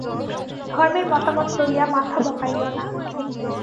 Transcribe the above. ধর্মের মতামত লইয়া মাথা বকাইও না।